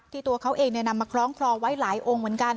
ตัวเขาเองนำมาคล้องคลอไว้หลายองค์เหมือนกัน